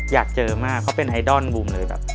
อยากเจอมากเขาเป็นไอดอลบูมเลยแบบ